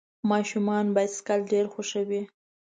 ماشومان بایسکل ډېر خوښوي.